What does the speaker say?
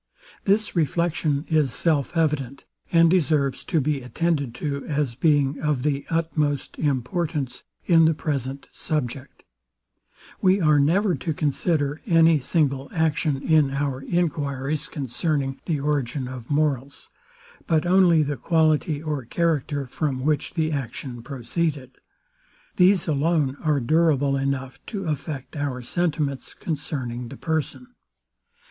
This reflection is self evident, and deserves to be attended to, as being of the utmost importance in the present subject. We are never to consider any single action in our enquiries concerning the origin of morals; but only the quality or character from which the action proceeded. These alone are durable enough to affect our sentiments concerning the person.